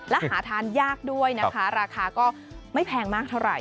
และหาทานยากด้วยนะคะราคาก็ไม่แพงมากเท่าไหร